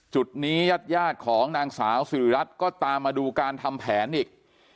จุดนี้ญาติยาดของนางสาวสิริรัตน์ก็ตามมาดูการทำแผนอีก